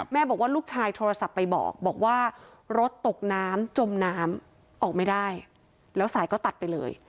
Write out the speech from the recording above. บอกว่าลูกชายโทรศัพท์ไปบอกบอกว่ารถตกน้ำจมน้ำออกไม่ได้แล้วสายก็ตัดไปเลย